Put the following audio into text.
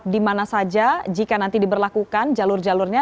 dimana saja jika nanti diberlakukan jalur jalurnya